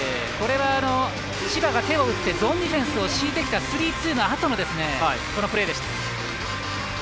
これは千葉が手を打ってゾーンディフェンスを強いてきたスリーツーのあとのプレーでした。